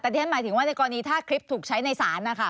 แต่ที่ฉันหมายถึงว่าในกรณีถ้าคลิปถูกใช้ในศาลนะคะ